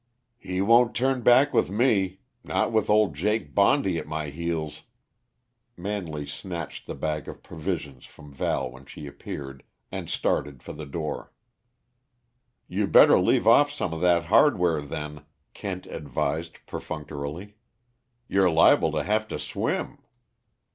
"He won't turn back with me not with old Jake Bondy at my heels!" Manley snatched the bag of provisions from Val when she appeared, and started for the door. "You better leave off some of that hardware, then," Kent advised perfunctorily. "You're liable to have to swim."